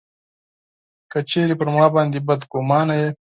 که چېرې پر ما باندي بدګومانه یې.